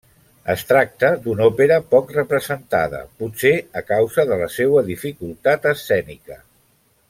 Es tracta d'una òpera poc representada, potser a causa de la seua dificultat escènica.